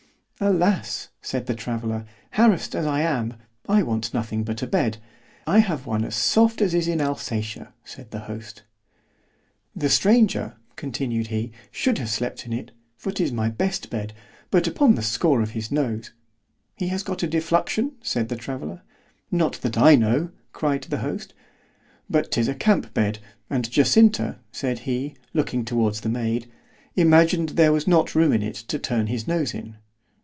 —— Alas! said the traveller, harassed as I am, I want nothing but a bed.——I have one as soft as is in Alsatia, said the host. ——The stranger, continued he, should have slept in it, for 'tis my best bed, but upon the score of his nose.——He has got a defluxion, said the traveller.——Not that I know, cried the host.——But 'tis a camp bed, and Jacinta, said he, looking towards the maid, imagined there was not room in it to turn his nose in.